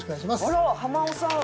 あら濱尾さん！